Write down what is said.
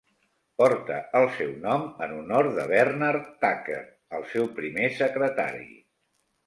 Porta el seu nom en honor de Bernard Tucker, el seu primer secretari.